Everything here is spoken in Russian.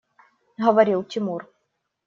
Говорил Тимур.